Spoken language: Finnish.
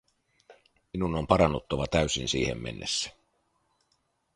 Minun on parannuttava täysin siihen mennessä.